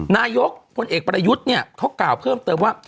นายกพลเอกประยุทธ์เนี่ยเขากล่าวเพิ่มเติมว่า